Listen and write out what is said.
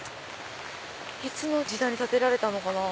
いつの時代に建てられたのかな。